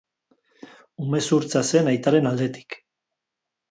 Umezurtza zen aitaren aldetik.